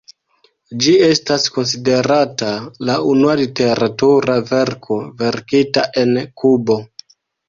Ĝi estas konsiderata la unua literatura verko verkita en Kubo.